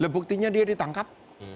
buktinya dia ditangkap